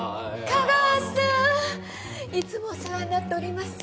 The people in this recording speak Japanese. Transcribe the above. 香川さんいつもお世話になっております。